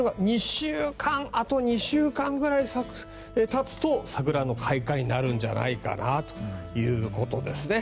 あと２週間ぐらいたつと桜の開花になるんじゃないかなということですね。